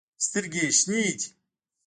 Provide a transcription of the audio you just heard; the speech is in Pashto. سترګې ېې شنې دي